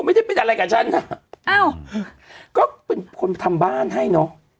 ไม่ใช่เป็นอะไรกับฉันน่ะก็เป็นคนทำบ้านให้น่ะ